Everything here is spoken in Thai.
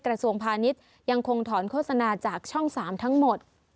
กระทรวงพาณิชย์ยังคงถอนโฆษณาจากช่อง๓ทั้งหมด